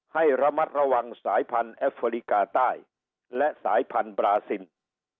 ให้ระมัดระวังสายพันธุ์แอฟริกาใต้และสายพันธุ์บราซิน